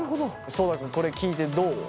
そうた君これ聞いてどう？